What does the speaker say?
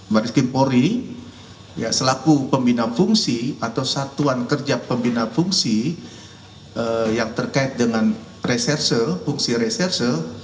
baris kimpori selaku pembina fungsi atau satuan kerja pembina fungsi yang terkait dengan reserse fungsi reserse